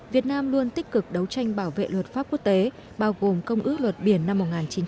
việt nam luôn tích cực đấu tranh bảo vệ luật pháp quốc tế bao gồm công ước luật biển năm một nghìn chín trăm tám mươi hai